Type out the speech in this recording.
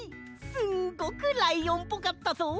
すごくライオンっぽかったぞ！